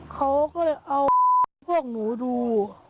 เขาก็เลยเอาพวกหนูดู